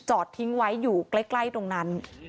ทิ้งไว้อยู่ใกล้ตรงนั้น